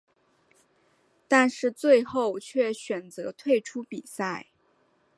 但是最后却选择退出比赛。